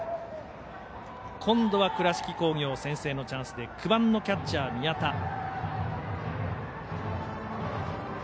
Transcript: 今度は倉敷工業先制のチャンスで９番のキャッチャー、宮田。